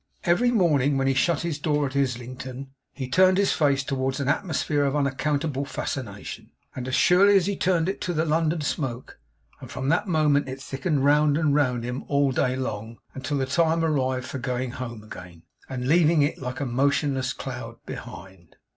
Every morning when he shut his door at Islington, he turned his face towards an atmosphere of unaccountable fascination, as surely as he turned it to the London smoke; and from that moment it thickened round and round him all day long, until the time arrived for going home again, and leaving it, like a motionless cloud, behind.